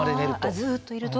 ずっといると？